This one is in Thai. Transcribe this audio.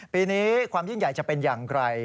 ปีนี้ความยิ่งใหญ่จะเป็นอย่างไร